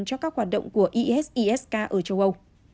cho các hoạt động của isis k ở châu âu